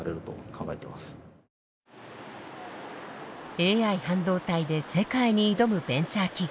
ＡＩ半導体で世界に挑むベンチャー企業。